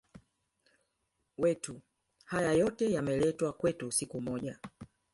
wetu haya yote yameletwa kwetu siku moja tu